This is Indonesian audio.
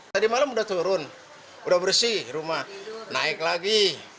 tadi malam udah turun udah bersih rumah naik lagi